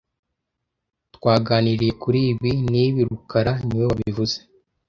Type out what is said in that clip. Twaganiriye kuri ibi n'ibi rukara niwe wabivuze